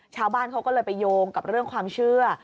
ชาวบ้านเขาก็เลยไปโยงกับเรื่องความเชื่อ